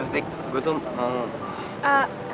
tik gue tuh mau